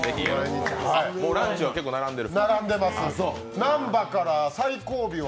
ランチは結構並んでる？